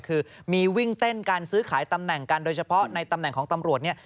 คือมีวิ่งเต้นการซื้อขายตำแหน่งกันโดยเฉพาะในตำแหน่งของตำรวจเนี่ย